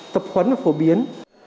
tập khuấn và phổ biến